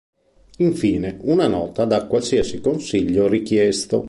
Infine, una "Nota" dà qualsiasi consiglio richiesto.